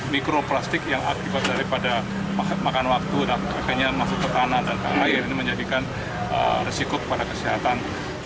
mikroplastik yang akibat daripada makan waktu dan akhirnya masuk ke tanah dan air ini menjadikan risiko kepada kesehatan